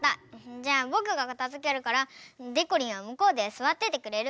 じゃあぼくがかたづけるからでこりんはむこうですわっててくれる？